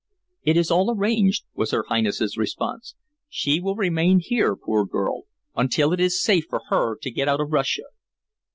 "It is all arranged," was her Highness's response. "She will remain here, poor girl, until it is safe for her to get out of Russia."